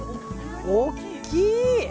大きい！